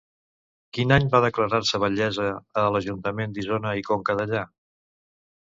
Quin any va declarar-se batllessa a l'Ajuntament d'Isona i Conca Dellà?